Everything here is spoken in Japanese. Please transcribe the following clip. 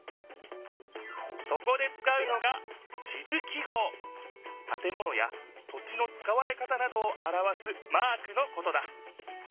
そこでつかうのがたてものや土地のつかわれ方などをあらわすマークのことだ